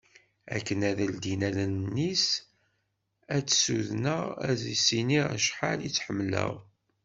Akken ad d-teldi allen-is ad tt-ssudneɣ ad s-iniɣ acḥal i tt-ḥemmleɣ.